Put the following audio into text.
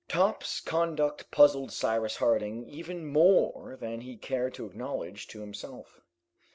Top's conduct puzzled Cyrus Harding even more than he cared to acknowledge to himself.